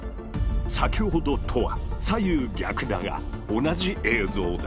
先ほどとは左右逆だが同じ映像だ。